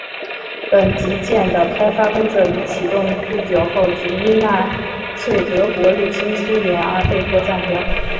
本级舰的开发工作于启动不久后即因纳粹德国入侵苏联而被迫暂停。